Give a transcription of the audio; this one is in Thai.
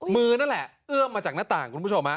มือนั่นแหละเอื้อมมาจากหน้าต่างคุณผู้ชม